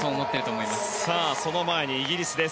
その前にイギリスです。